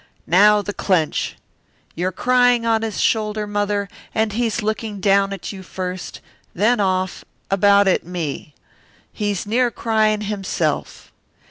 Now the clench. You're crying on his shoulder, Mother, and he's looking down at you first, then off, about at me. He's near crying himself.